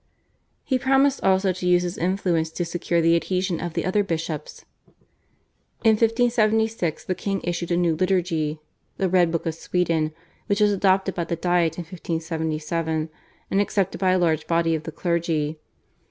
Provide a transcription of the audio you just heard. He promised also to use his influence to secure the adhesion of the other bishops. In 1576 the king issued a new liturgy, /The Red Book of Sweden/, which was adopted by the Diet in 1577, and accepted by a large body of the clergy.